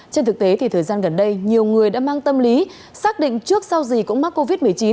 trên thực tế thì thời gian gần đây nhiều người đã mang tâm lý xác định trước sau gì cũng mắc covid một mươi chín